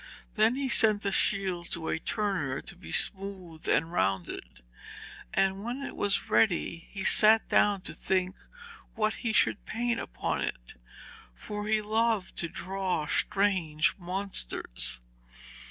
Then he sent the shield to a turner to be smoothed and rounded, and when it was ready he sat down to think what he should paint upon it, for he loved to draw strange monsters.